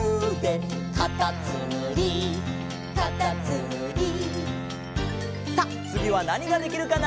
「かたつむりかたつむり」さあつぎはなにができるかな？